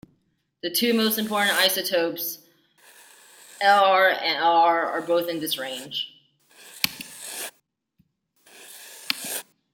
The two most important isotopes, Lr and Lr, are both in this range.